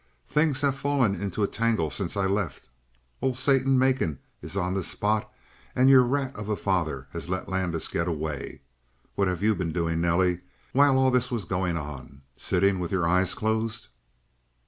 "Things have fallen into a tangle since I left, old Satan Macon is on the spot and your rat of a father has let Landis get away. What have you been doing, Nelly, while all this was going on? Sitting with your eyes closed?"